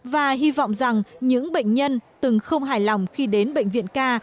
và hy vọng rằng những bệnh nhân từng không hài lòng khi đến bệnh viện ca